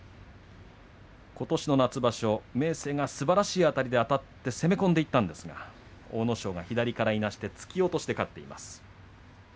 ことしの夏場所、明生がすばらしいあたりであたって攻め込んでいきましたが阿武咲が左からいなして突き落としで勝っています。